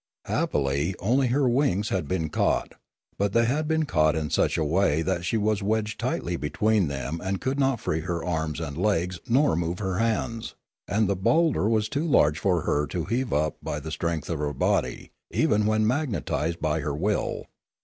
Happily only her wings had been caught, but they had been caught in such a way that she was wedged tightly between them and could not free her arms and legs nor move her hands; and the boulder was too large for her to heave up by the strength of her body, even when magnetised by her will.